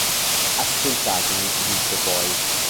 Ascoltatemi, disse poi.